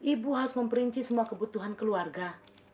ibu harus memperinci semua kebutuhan keluarga